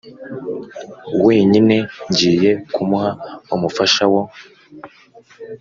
wenyine Ngiye kumuha umufasha wo